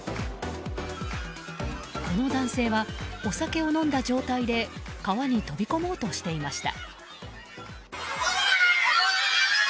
この男性はお酒を飲んだ状態で川に飛び込もうとしていました。